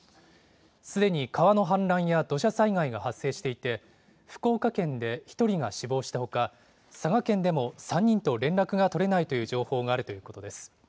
すでに川の氾濫や土砂災害が発生していて、福岡県で１人が死亡したほか、佐賀県でも３人と連絡が取れないという情報があるということです。